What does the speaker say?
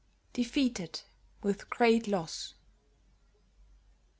defeated, with great loss."